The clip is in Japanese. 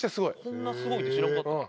こんなすごいって知らんかったな。